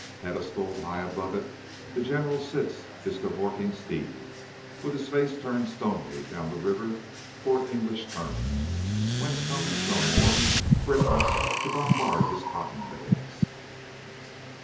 Pedestalled high above it, the general sits his cavorting steed, with his face turned stonily down the river toward English Turn, whence come no more Britons to bombard his cotton bales.